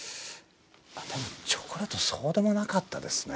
でもチョコレートそうでもなかったですね。